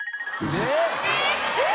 えっ？